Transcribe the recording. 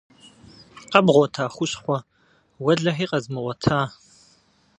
Къэбгъуэта хущхъуэ? - Уэлэхьи, къэзмыгъуэта!